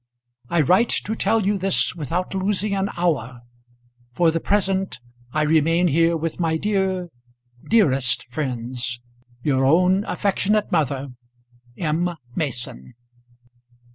I write to tell you this without losing an hour. For the present I remain here with my dear dearest friends. Your own affectionate mother, M. MASON.